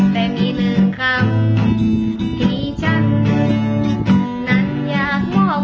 แต่มีหนึ่งคำที่ฉันนั้นอยากมอบ